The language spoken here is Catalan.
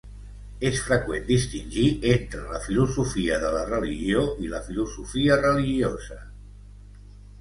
És freqüent distingir entre la filosofia de la religió i la filosofia religiosa.